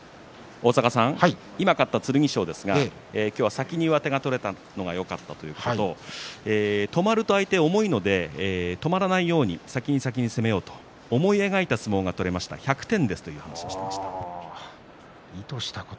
勝った剣翔ですが今日は先に上手が取れたのがよかったということ止まると相手は重いので止まらないように先に先に攻めようと思い描いた相撲が取れました１００点ですと話していました。